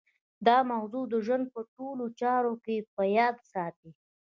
دا موضوع د ژوند په ټولو چارو کې په ياد ساتئ.